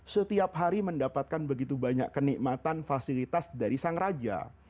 setiap hari mendapatkan begitu banyak kenikmatan fasilitas dari sang raja